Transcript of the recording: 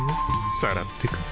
さらってく？